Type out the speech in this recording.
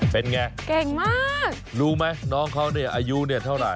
เป็นไงเก่งมากรู้ไหมน้องเขาเนี่ยอายุเนี่ยเท่าไหร่